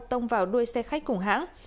tông vào đuôi xe khách cùng hãng